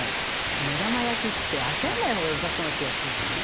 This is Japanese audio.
目玉焼きって焦んない方がよさそうな気がするんだよね。